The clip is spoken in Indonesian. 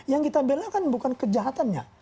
yang kita belakan bukan kejahatannya